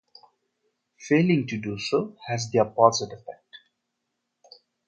Failing to do so has the opposite effect.